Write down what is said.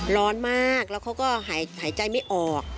ร้อนมากแล้วเขาก็หายใจไม่ออก